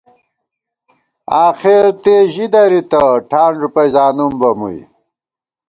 آخر تےژِی دَرِتہ ، ٹھان ݫُپَئ زانُم بہ مُوئی